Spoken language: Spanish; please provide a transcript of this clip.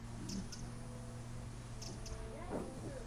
Principal opositora del proyecto "Dragon Mart" en el estado de Quintana Roo